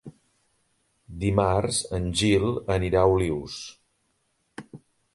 Dimarts en Gil anirà a Olius.